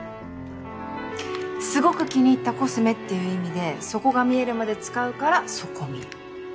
すごく気に入ったコスメっていう意味で底が見えるまで使うから底見え。